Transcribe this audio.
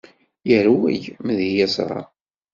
Yerwel mi yi-d-yeẓra.